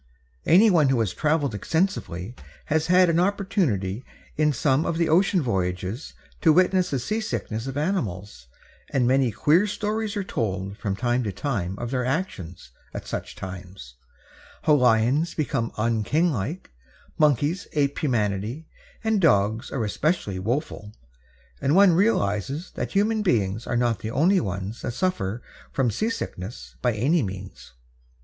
Anyone who has traveled extensively has had an opportunity in some of the ocean voyages to witness the seasickness of animals, and many queer stories are told from time to time of their actions at such times how lions become un kinglike, monkeys ape humanity, and dogs are especially woeful and one realizes that human beings are not the only ones that suffer from seasickness, by any means.